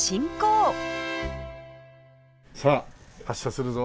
さあ発車するぞ。